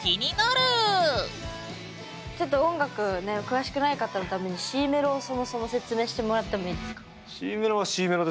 ちょっと音楽ね詳しくない方のためにＣメロをそもそも説明してもらってもいいですか？